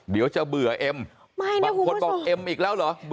เดี๋ยวจะเบื่อเอ็มบางคนบอกเอ็มอีกแล้วเหรอ